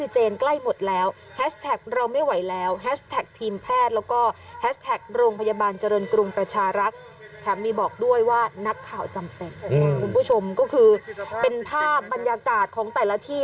คุณผู้ชมก็คือเป็นภาพบรรยากาศของแต่ละที่